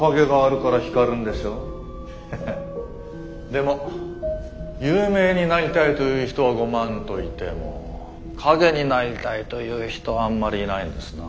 でも有名になりたいという人はごまんといても影になりたいという人はあんまりいないんですな。